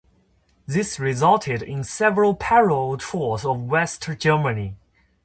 This resulted in several parallel tours of West-Germany.